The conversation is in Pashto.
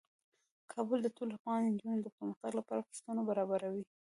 کابل د ټولو افغان نجونو د پرمختګ لپاره فرصتونه برابروي.